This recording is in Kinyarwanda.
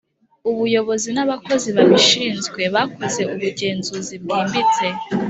Ubuyobozi n abakozi babishinzwe bakoze ubugenzuzi bwimbitse